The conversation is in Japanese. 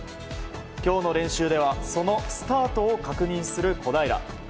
今日の練習ではそのスタートを確認する小平。